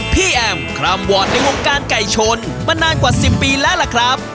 พี่แอมคร่ำวอร์ดในวงการไก่ชนมานานกว่า๑๐ปีแล้วล่ะครับ